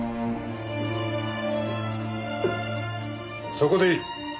そこでいい。